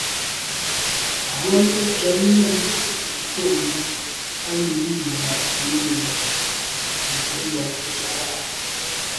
Bwɔ́ŋkə́’ cɛ̌d nɛ̂n tûʼndá á nǔm nə̀ nàptə̌ jùp kghûndá.